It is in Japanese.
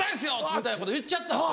みたいなこと言っちゃったんです。